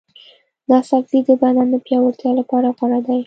دا سبزی د بدن د پیاوړتیا لپاره غوره دی.